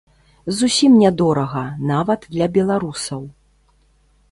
Зусім нядорага, нават для беларусаў.